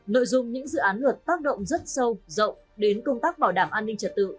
nội dung những dự án luật tác động rất sâu rộng đến công tác bảo đảm an ninh trật tự